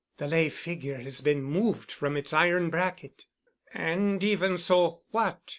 "The lay figure has been moved from its iron bracket——" "And even so, what——?"